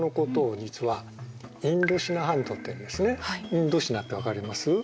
インドシナって分かります？